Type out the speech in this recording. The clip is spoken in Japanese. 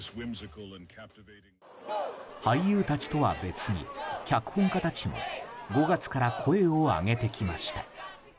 俳優たちとは別に、脚本家たちも５月から声を上げてきました。